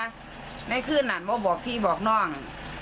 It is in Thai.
ในคืนนั้นมาบอกพี่บอกน้อง